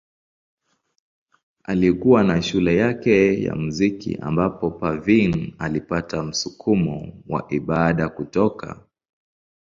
Alikuwa na shule yake ya muziki ambapo Parveen alipata msukumo wa ibada kutoka.